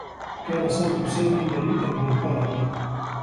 كان صوت سامي مليئا بالقلق.